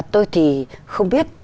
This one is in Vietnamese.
tôi thì không biết